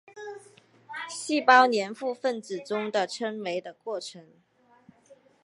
细胞黏附分子中的称为的过程。